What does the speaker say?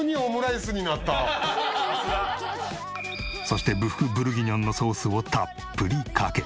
そしてブッフ・ブルギニョンのソースをたっぷりかけ。